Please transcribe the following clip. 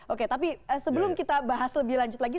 oke tapi sebelum kita bahas lebih lanjut lagi